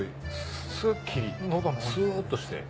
スっとして。